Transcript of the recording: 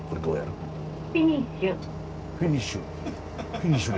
フィニッシュ。